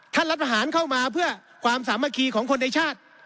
รัฐประหารเข้ามาเพื่อความสามัคคีของคนในชาติ